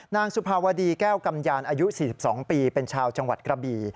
สุภาวดีแก้วกำยานอายุ๔๒ปีเป็นชาวจังหวัดกระบี่